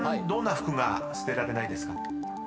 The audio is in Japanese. どんな服が捨てられないですか？］